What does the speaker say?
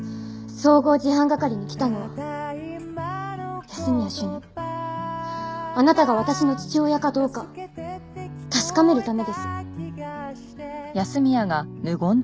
総合事犯係に来たのは安洛主任あなたが私の父親かどうか確かめるためです。